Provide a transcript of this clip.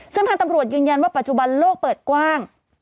ซึ่งทางตำรวจยืนยันว่าปัจจุบันโลกเปิดกว้าง